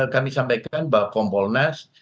kami sampaikan bahwa kompolnas